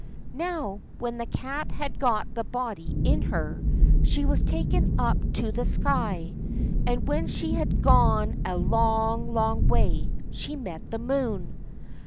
Now when the Cat had got the body in her, she was taken up to the sky, and when she had gone a long, long way, she met the moon.